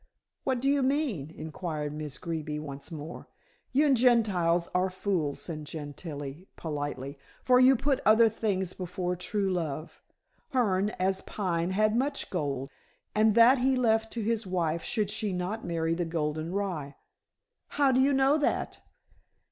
"What do you mean?" inquired Miss Greeby once more. "You Gentiles are fools," said Gentilla, politely. "For you put other things before true love. Hearne, as Pine, had much gold, and that he left to his wife should she not marry the golden rye." "How do you know that?"